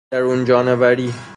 درون جانوری